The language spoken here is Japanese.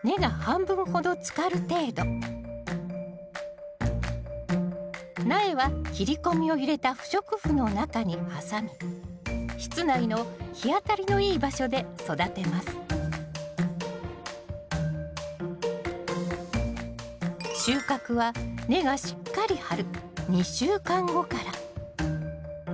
目安は苗は切り込みを入れた不織布の中に挟み室内の日当たりのいい場所で育てます収穫は根がしっかり張る２週間後から。